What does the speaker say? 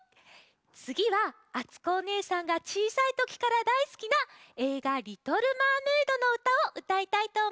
つぎはあつこおねえさんがちいさいときからだいすきなえいが「リトル・マーメイド」のうたをうたいたいとおもいます。